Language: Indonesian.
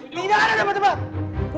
bidang ada teman teman